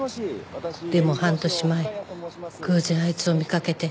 でも半年前偶然あいつを見かけて。